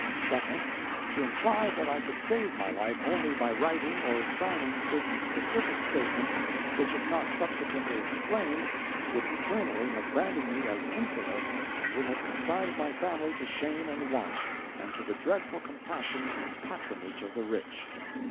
Second—To imply that I could save my life only by writing or signing certain specific statements which if not subsequently explained would eternally have branded me as infamous and would have consigned my family to shame and want, and to the dreadful compassion and patronage of the rich.